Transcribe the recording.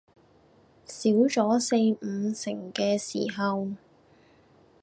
少咗四五成嘅時候